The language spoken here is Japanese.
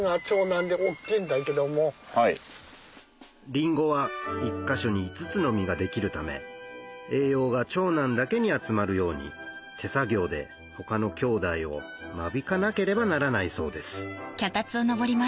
りんごは１か所に５つの実ができるため栄養が長男だけに集まるように手作業で他の兄弟を間引かなければならないそうです